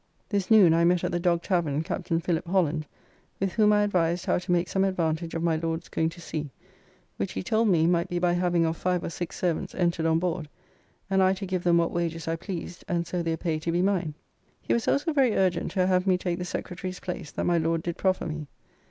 This noon I met at the Dog tavern Captain Philip Holland, with whom I advised how to make some advantage of my Lord's going to sea, which he told me might be by having of five or six servants entered on board, and I to give them what wages I pleased, and so their pay to be mine; he was also very urgent to have me take the Secretary's place, that my Lord did proffer me.